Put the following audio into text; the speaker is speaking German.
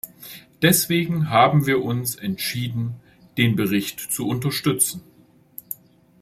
Deswegen haben wir uns entschieden, den Bericht zu unterstützen.